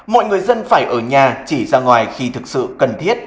mọi người dân phải ở nhà chỉ ra ngoài khi thực sự cần thiết